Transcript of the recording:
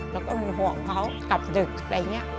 แล้วก็มีห่วงเขากลับดึกอะไรอย่างนี้